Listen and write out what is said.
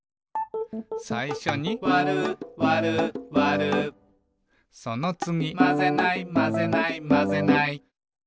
さいしょに「わるわるわる」そのつぎ「まぜないまぜないまぜない」